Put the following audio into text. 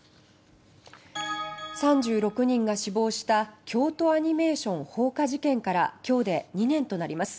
３６人が死亡した京都アニメーション放火事件からきょうで２年となります。